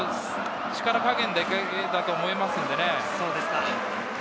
力加減だけだと思いますので。